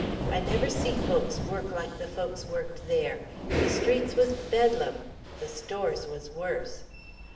I never see folks work like the folks worked there. The streets was Bedlam. The stores was worse.